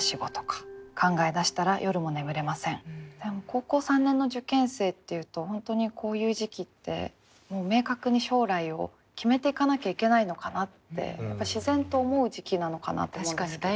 高校３年の受験生っていうと本当にこういう時期って明確に将来を決めていかなきゃいけないのかなってやっぱり自然と思う時期なのかなと思うんですけど。